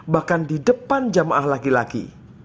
bahkan di depan jamaah laki laki